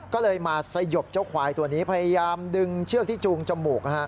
ก็เลยมาสยบเจ้าควายตัวนี้พยายามดึงเชือกที่จูงจมูก